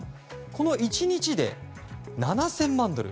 この１日で７０００万ドル